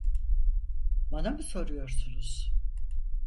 Bana mı soruyorsunuz?